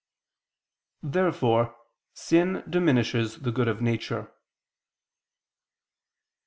Therefore sin diminishes the good of nature.